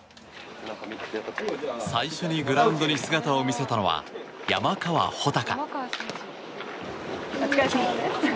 最初にグラウンドに姿を見せたのは山川穂高。